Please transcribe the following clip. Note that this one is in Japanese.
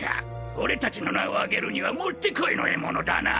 俺達の名を上げるにはもってこいの獲物だなあ。